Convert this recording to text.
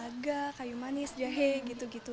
agak kayu manis jahe gitu gitu